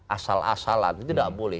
asal asalan tidak boleh